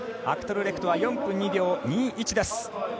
アクトルレクトは４分２秒２１。